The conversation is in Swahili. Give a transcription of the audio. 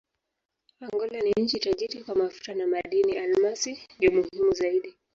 Angola ni nchi tajiri kwa mafuta na madini: almasi ndiyo muhimu zaidi.